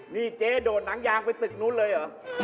นี่เจ๊โดดหนังยางไปตึกนู้นเลยเหรอ